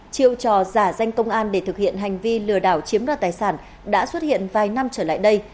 chiêu trò giả danh công an để thực hiện hành vi lừa đảo chiếm đoạt tài sản đã xuất hiện vài năm trở lại đây